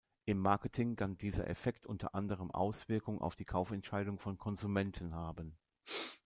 Im Marketing kann dieser Effekt unter anderem Auswirkung auf die Kaufentscheidung von Konsumenten haben.